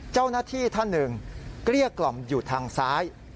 เจ้าหน้าที่ท่านหนึ่งเกลี้ยกล่อมอยู่ทางซ้าย